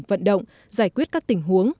vận động giải quyết các tình huống